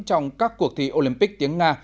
trong các cuộc thi olympic tiếng nga